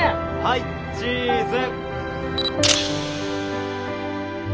はいチーズ。